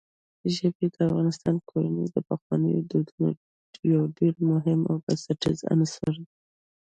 ژبې د افغان کورنیو د پخوانیو دودونو یو ډېر مهم او بنسټیز عنصر دی.